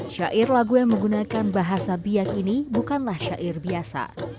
syair lagu yang menggunakan bahasa biak ini bukanlah syair biasa